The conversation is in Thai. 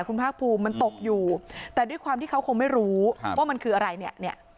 คุณภาคภูมิมันตกอยู่แต่ด้วยความที่เขาคงไม่รู้ว่ามันคืออะไรเนี่ยเนี่ย